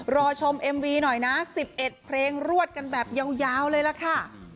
รอชมเอ็มวีหน่อยนะ๑๑เพลงรวดกันแบบยาวเลยล่ะค่ะ